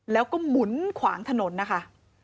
แล้วก็หมุนขวางถนนนะคะ